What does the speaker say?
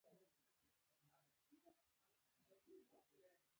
دا ریڼ دی